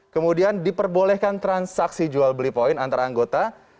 kemudian diperbolehkan transaksi jual beli poin antara anggota